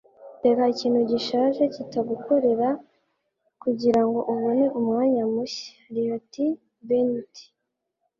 reka ikintu gishaje kitagukorera kugirango ubone umwanya mushya - roy t bennett